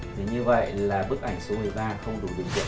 thì như vậy là bức ảnh số một mươi ba không đủ bình chọn